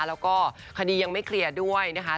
แล้วก็คดียังไม่เคลียร์ด้วยนะคะ